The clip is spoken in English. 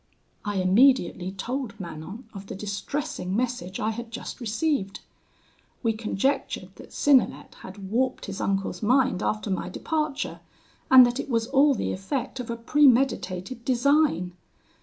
"I immediately told Manon of the distressing message I had just received. We conjectured that Synnelet had warped his uncle's mind after my departure, and that it was all the effect of a premeditated design.